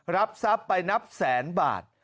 รับทรัพย์ไปนับแสนบาท